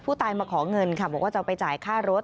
ผู้ตายมาขอเงินค่ะบอกว่าจะเอาไปจ่ายค่ารถ